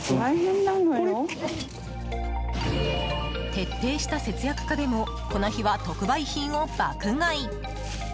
徹底した節約家でもこの日は特売品を爆買い！